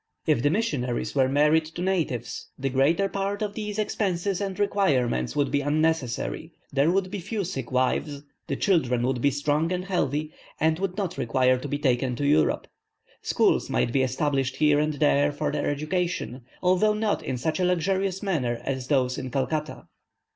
If the missionaries were married to natives, the greater part of these expenses and requirements would be unnecessary; there would be few sick wives, the children would be strong and healthy, and would not require to be taken to Europe. Schools might be established here and there for their education, although not in such a luxurious manner as those at Calcutta.